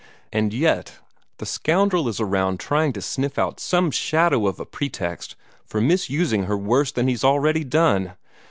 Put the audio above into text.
And yet the scoundrel is around trying to sniff out some shadow of a pretext for misusing her worse than he's already done.